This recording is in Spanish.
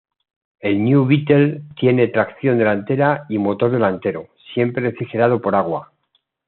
El New Beetle tiene tracción delantera y motor delantero, siempre refrigerado a agua.